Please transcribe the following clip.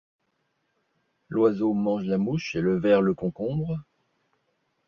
L’oiseau mange la mouche et le ver le concombre ?